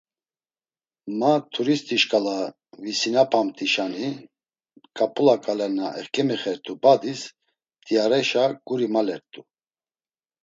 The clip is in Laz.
Ma turist̆i şǩala visinapamt̆işani ǩap̌ula ǩale na eǩemixert̆u badis mt̆iareşa guri malert̆u.